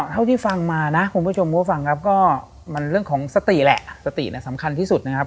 สติแหละสติน่ะสำคัญที่สุดนะครับ